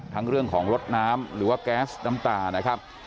เรื่องของรถน้ำหรือว่าแก๊สน้ำตานะครับ